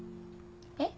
えっ？